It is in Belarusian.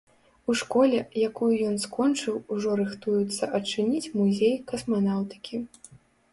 У школе, якую ён скончыў, ужо рыхтуюцца адчыніць музей касманаўтыкі.